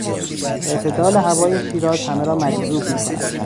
اعتدال هوای شیراز همه را مجذوب میکند.